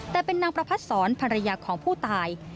แต่เป็นนางประพัดศรภรรยาของผู้ตาย